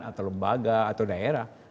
atau lembaga atau daerah